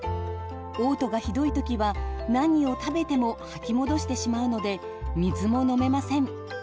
おう吐がひどいときは何を食べても吐き戻してしまうので水も飲めません。